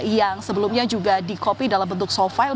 yang sebelumnya juga di copy dalam bentuk soft file